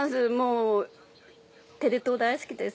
テレ東大好きです。